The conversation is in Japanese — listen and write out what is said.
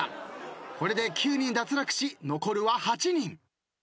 これで９人脱落し残るは８人。